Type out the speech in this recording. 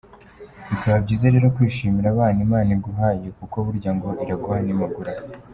Bikaba byiza rero kwishimira abana Imana iguhaye, kuko burya ngo “Iraguha ntimugura”!.